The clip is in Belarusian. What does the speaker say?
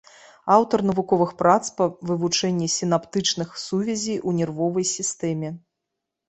Аўтар навуковых прац па вывучэнні сінаптычных сувязей у нервовай сістэме.